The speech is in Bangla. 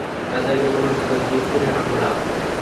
তাদেরকে কোনো সুযোগ দিচ্ছি না আমরা।